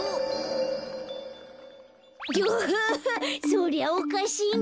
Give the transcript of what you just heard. そりゃおかしいね。